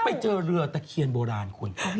ไปเจอเรือตะเคียนโบราณคุณ